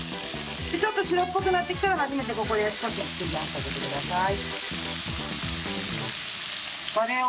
でちょっと白っぽくなってきたら初めてここで少しひっくり返してあげてください。